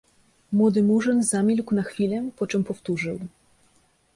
Młody Murzyn zamilkł na chwilę, po czym powtórzył.